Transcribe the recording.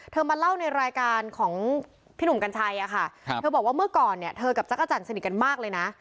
มาเล่าในรายการของพี่หนุ่มกัญชัยอะค่ะเธอบอกว่าเมื่อก่อนเนี่ยเธอกับจักรจันทร์สนิทกันมากเลยนะ